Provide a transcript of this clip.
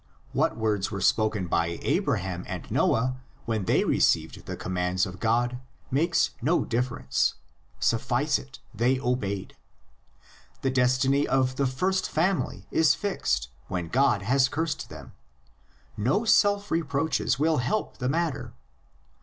What words were spoken by Abraham and Noah when they received the commands of God makes no difference; suffice it, they obeyed. The destiny of the first family is fixed when God has cursed them; no self reproaches will help the mat ter.